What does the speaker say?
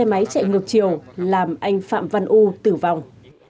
xe máy chạy ngược chiều làm anh phạm văn u tử vong